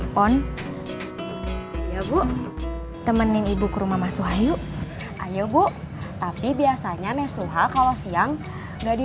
pon ya bu temenin ibu ke rumah mas wahyu ayo bu tapi biasanya nesuha kalau siang enggak di